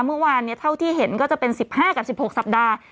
เมื่อวานเท่าที่เห็นก็จะเป็น๑๕กับ๑๖สัปดาห์